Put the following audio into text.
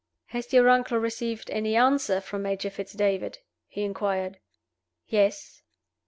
"Has your uncle received any answer from Major Fitz David?" he inquired. "Yes.